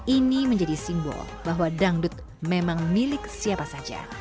ini menjadi simbol bahwa dangdut memang milik siapa saja